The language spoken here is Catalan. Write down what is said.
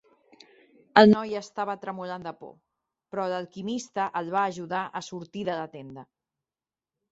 El noi estava tremolant de por, però l'alquimista el va ajudar a sortir de la tenda.